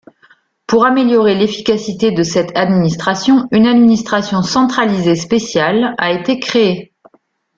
Pour améliorer l'efficacité de cette administration, une administration centralisée spéciale a été créée.